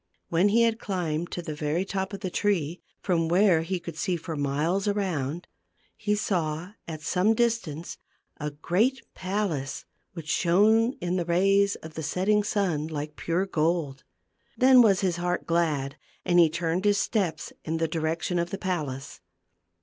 When he had climbed to the very top of the tree, from where he could see for miles around, he saw, at some distance, a great palace which shone in the rays of the setting sun like pure gold. Then was his heart glad, and he turned his steps in the direction of the palace.